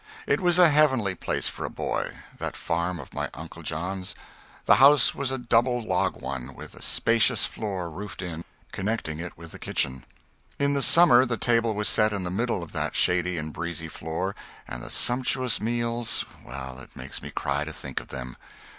It was a heavenly place for a boy, that farm of my uncle John's. The house was a double log one, with a spacious floor (roofed in) connecting it with the kitchen. In the summer the table was set in the middle of that shady and breezy floor, and the sumptuous meals well, it makes me cry to think of them.